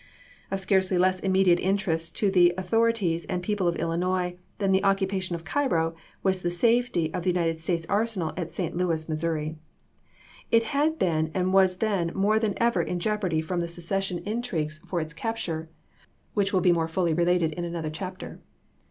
Of scarcely less immediate interest to the author ities and people of Illinois than the occupation of Cairo, was the safety of the United States arsenal at St. Louis, Missouri. It had been and was then more than ever in jeopardy from the secession 198 ABRAHAM LINCOLN Chap. X. intriguGS for its capture, wMcli will be more fully related in another chapter.